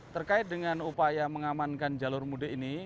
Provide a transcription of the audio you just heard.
terkait dengan upaya mengamankan jalur mudik ini